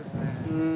うん。